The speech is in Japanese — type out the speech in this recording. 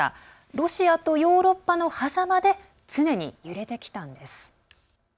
ロシアとヨーロッパのはざまで常に揺れてきたんです。